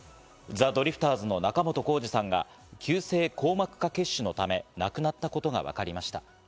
ザ・ドリフターズの仲本工事さんが急性硬膜下血腫のため亡くなったことがわかりました。